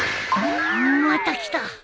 また来た！